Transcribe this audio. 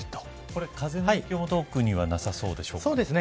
これ風の影響も特にはなさそうでしょうか。